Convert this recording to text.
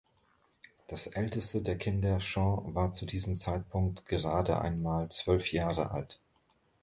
Das älteste der Kinder, Sean, war zu diesem Zeitpunkt gerade einmal zwölf Jahre alt.